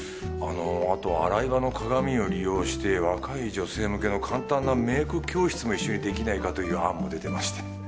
あと洗い場の鏡を利用して若い女性向けの簡単なメーク教室も一緒にできないかという案も出てまして。